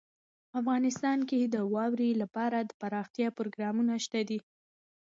افغانستان کې د واورې لپاره دپرمختیا پروګرامونه شته دي.